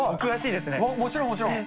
もちろんもちろん。